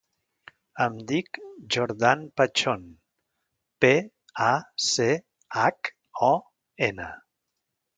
Em dic Jordan Pachon: pe, a, ce, hac, o, ena.